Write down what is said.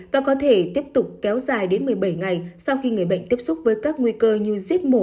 và có thể tiếp tục kéo dài đến một mươi bảy ngày sau khi người bệnh tiếp xúc với các nguy cơ như giết mổ